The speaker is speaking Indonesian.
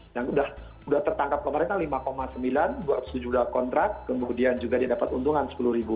yang udah tertangkap kemarin kan lima sembilan buat sujudah kontrak kemudian juga dia dapat untungan sepuluh ribu